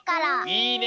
いいね！